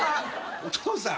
お父さん。